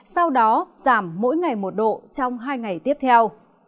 sau đó giảm mỗi ngày một độ trong hai ngày tiếp theo